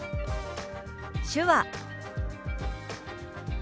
「手話」。